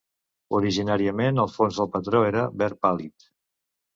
Originàriament el fons del patró era verd pàl·lid.